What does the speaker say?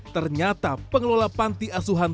ternyata pengelola panti asuhan